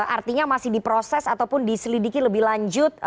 artinya masih diproses ataupun diselidiki lebih lanjut